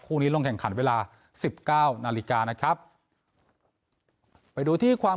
นี้ลงแข่งขันเวลาสิบเก้านาฬิกานะครับไปดูที่ความ